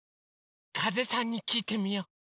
かぜさんにきいてみよう！